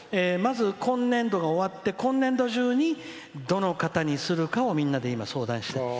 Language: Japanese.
まず、今年度が終わって今年度中に、どの方にするかをみんなで相談して。